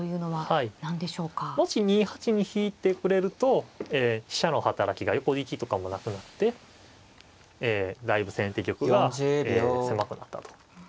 もし２八に引いてくれると飛車の働きが横利きとかもなくなってだいぶ先手玉が狭くなったと。